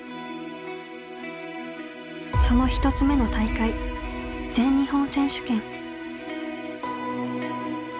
その一つ目の大会全日本選手権。